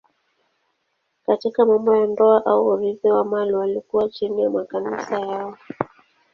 Katika mambo ya ndoa au urithi wa mali walikuwa chini ya makanisa yao.